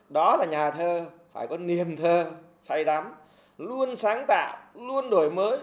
đó là nhà thơ phải có niềm thơ say đắm luôn sáng tạo luôn đổi mới